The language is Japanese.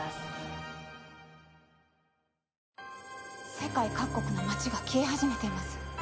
世界各国の街が消え始めています。